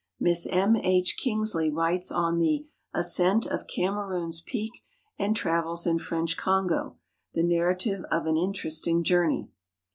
Miss M. H. Kingsley writes on the "Ascent of Cameroons Peak and Travels in French Congo," the narrative of an in teresting journey.